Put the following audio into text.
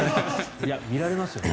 見られますよね。